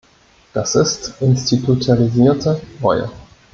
Das ist institutionalisierte Reue.